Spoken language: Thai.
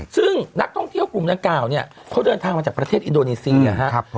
ซึ่งนักท่องเที่ยวกลุ่มดังกล่าวเนี่ยเขาเดินทางมาจากประเทศอินโดนีเซียครับ